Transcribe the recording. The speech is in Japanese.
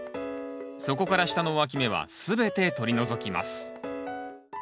そこから下のわき芽は全て取り除きます